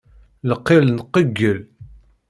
Lqil nqeyyel.